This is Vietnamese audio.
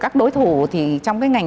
nhằm chỏi thử vài thời gian